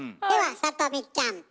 ではさとみちゃん。